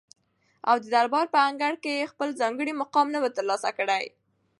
او ددربار په انګړ کي یې خپل ځانګړی مقام نه وو تر لاسه کړی